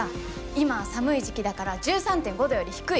今は寒い時期だから１３．５度より低い！